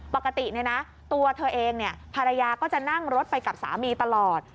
ปกติเนี่ยนะตัวเธอเองเนี่ยภรรยาก็จะนั่งรถไปกับสามีตลอด